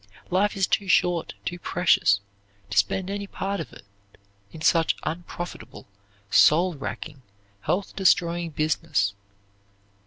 Life is too short, too precious, to spend any part of it in such unprofitable, soul racking, health destroying business.